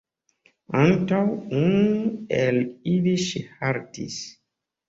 Antaŭ unu el ili ŝi haltis.